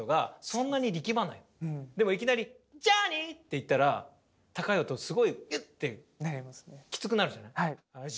でもいきなり「ｊｏｕｒｎｅｙ」って言ったら高い音すごいギュッてきつくなるじゃない。